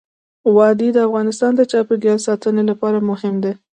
وادي د افغانستان د چاپیریال ساتنې لپاره مهم دي.